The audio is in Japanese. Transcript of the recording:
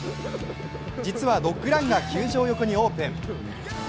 実はドッグランが球場横にオープン。